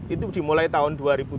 itu dimulai tahun dua ribu tujuh belas